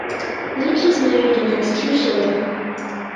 Leach is married and has two children.